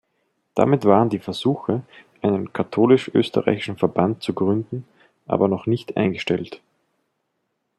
Damit waren die Versuche, einen katholisch-österreichischen Verband zu gründen, aber noch nicht eingestellt.